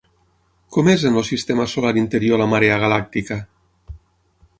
Com és en el sistema solar interior la marea galàctica?